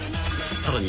［さらに］